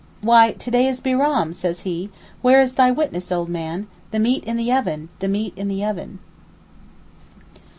'Why, to day is Bairam,' says he. 'Where is thy witness, O man?' 'The meat in the oven—the meat in the oven.